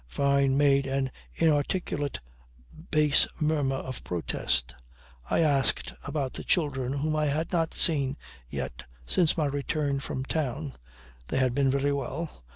Fyne made an inarticulate bass murmur of protest. I asked after the children whom I had not seen yet since my return from town. They had been very well.